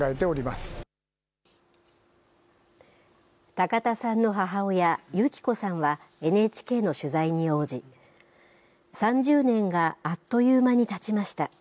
高田さんの母親、幸子さんは、ＮＨＫの取材に応じ、３０年があっという間にたちました。